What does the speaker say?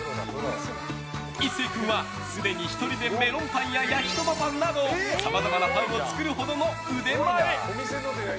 壱晟君は、すでに１人でメロンパンや焼きそばパンなどさまざまなパンを作るほどの腕前。